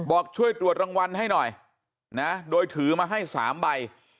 บอกช่วยตรวจรางวัลให้หน่อยนะโดยถือมาให้๓ใบ